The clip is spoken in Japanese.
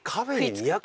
２００。